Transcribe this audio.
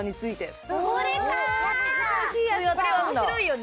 これ面白いよね。